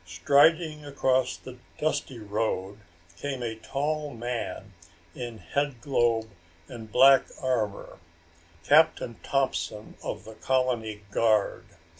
Striding across the dusty road came a tall man in headglobe and black armor Captain Thompson of the colony guard.